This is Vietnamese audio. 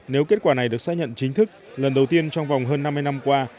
nếu kết quả này được xác nhận chính thức lần đầu tiên trong vòng hơn năm mươi năm qua